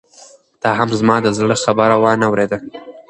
تا هم زما د زړه خبره وانه اورېده.